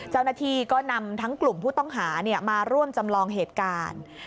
เจ้าหน้าที่ก็นำทั้งกลุ่มผู้ต้องหามาร่วมจำลองเหตุการณ์